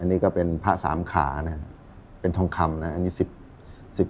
อันนี้ก็เป็นพระสามขานะฮะเป็นทองคำนะฮะอันนี้สิบ